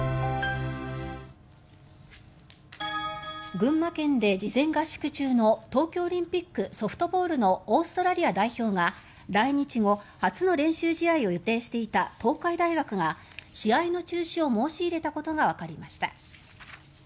群馬県で事前合宿中の東京オリンピックソフトボールのオーストラリア代表が来日後、初の練習試合を予定していた東海大学が試合の中止を申し入れたことがわかりました。